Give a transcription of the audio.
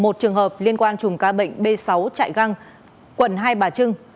một trường hợp liên quan chùm ca bệnh b sáu trại găng quận hai bà trưng